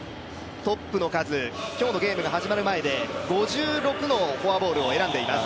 トップの数、今日のゲームが始まる前で５６のフォアボールを選んでいます。